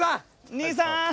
兄さーん。